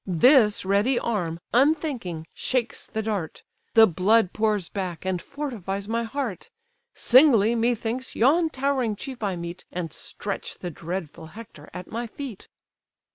This ready arm, unthinking, shakes the dart; The blood pours back, and fortifies my heart: Singly, methinks, yon towering chief I meet, And stretch the dreadful Hector at my feet."